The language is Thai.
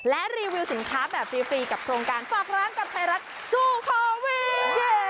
และรีวิวสินค้าแบบฟรีกับโครงการฝากร้านกับไทยรัฐสู้โควิด